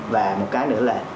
và một cái nữa là